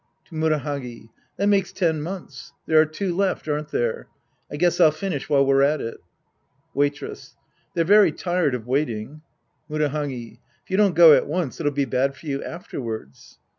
(To Murahagi.) That makes ten months. There are two left, aren't there ? I guess I'll finish while we're at it. Waitress. They're very tired of waiting. Murahagi. If you don't go at once, it'll be bad for you afterwards.